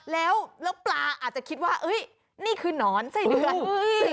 แล้วปลาจะต้องคิดว่าที่นี่คือนอนไส้เดือน